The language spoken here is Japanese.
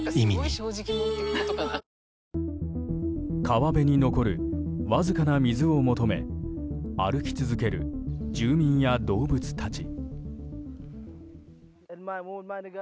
川辺に残るわずかな水を求め歩き続ける住民や動物たち。